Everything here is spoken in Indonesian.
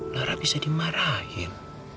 lara bisa dimarahin